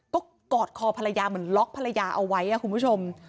ก็กอดคอภรรยาเหมือนล็อกภรรยาเอาไว้คุณผู้ชม